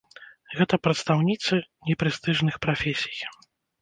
Гэта прадстаўніцы непрэстыжных прафесій.